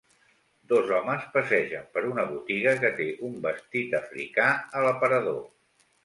Dos homes passegen per una botiga que té un vestit africà a l'aparador.